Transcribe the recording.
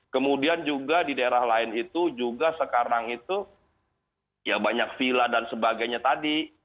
kemudian juga di daerah lain itu juga sekarang itu ya banyak villa dan sebagainya tadi